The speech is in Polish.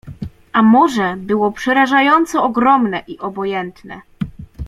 A morze było przerażająco ogromne i obojętne.